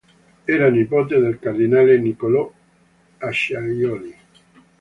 Era nipote del cardinale Niccolò Acciaioli.